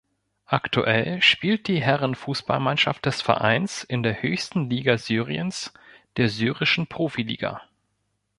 Aktuell spielt die Herren-Fußballmannschaft des Vereins in der höchsten Liga Syriens, der Syrischen Profiliga.